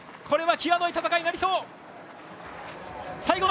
これは際どい戦いになりそう。